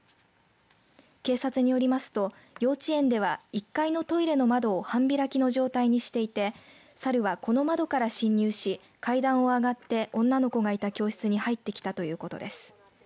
警察によりますと幼稚園では１階のトイレの窓を半開きの状態にしていてサルはこの窓から侵入し階段を上がって女の子がいた教室に入ってきたということです。